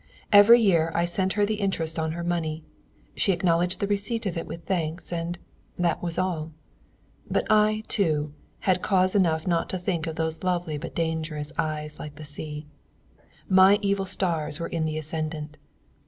Every year I sent her the interest on her money; she acknowledged the receipt of it with thanks, and that was all. But I, too, had cause enough not to think of those lovely but dangerous Eyes like the Sea. My evil stars were in the ascendant.